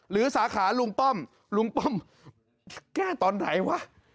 หรือสาขารุงป้อมแก้ตอนไหนวะ